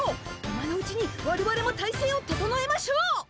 今のうちにわれわれも体制を整えましょう。